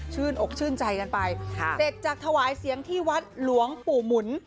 อกชื่นใจกันไปเสร็จจากถวายเสียงที่วัดหลวงปู่หมุน